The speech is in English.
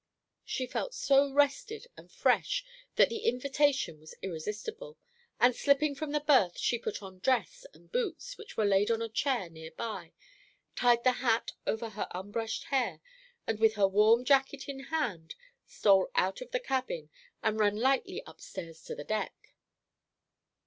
She felt so rested and fresh that the invitation was irresistible; and slipping from the berth, she put on dress and boots, which were laid on a chair near by, tied the hat over her unbrushed hair, and with her warm jacket in hand, stole out of the cabin and ran lightly upstairs to the deck.